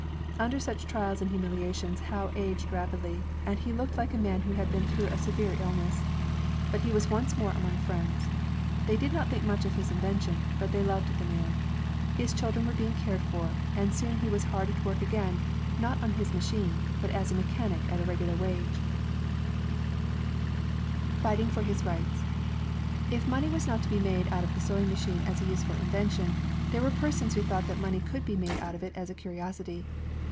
*' Under such trials and humiliations Howe aged rapidly,' and he looked like a man who had been through a severe illness. But he was once more among friends. They did not think much of his invention, but they loved the man* His children were being cared for, and soon he was hard at work again, not on his machine, but as a mechanic at a regular wage. 136 INVENTIONS OF MANUFACTURE AND PRODUCTION Fighting for His Rights If money was not to be made out of the sewing machine as a useful invention, there were persons who thought that money could be made out of it as a curiosity.